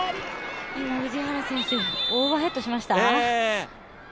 今、氏原選手、オーバーヘッドしました？